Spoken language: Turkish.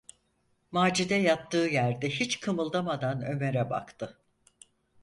Macide yattığı yerde hiç kımıldamadan Ömer’e baktı.